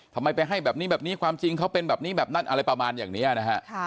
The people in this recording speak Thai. ทำไมไปให้แบบนี้แบบนี้ความจริงเขาเป็นแบบนี้แบบนั้นอะไรประมาณอย่างนี้นะฮะ